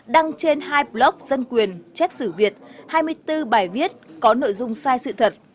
đăng trên hai blog dân quyền chép sử việt hai mươi bốn bài viết có nội dung sai sự thật